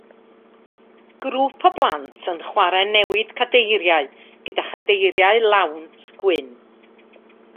Grŵp o blant yn chwarae newid cadeiriau gyda chadeiriau lawnt gwyn.